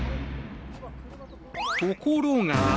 ところが。